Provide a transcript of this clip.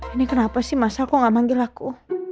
ini kenapa sih mas aku gak manggil aku